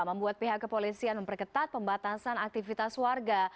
membuat pihak kepolisian memperketat pembatasan aktivitas warga